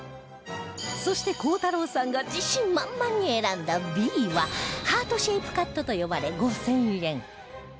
そして鋼太郎さんが自信満々に選んだ Ｂ はハートシェイプカットと呼ばれ５０００円